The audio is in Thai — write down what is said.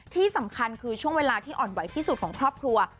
ที่สำคัญคือช่วงเวลาที่อ่อนไหวที่สุดของครอบครัว